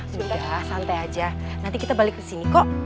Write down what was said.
sudah santai aja nanti kita balik kesini kok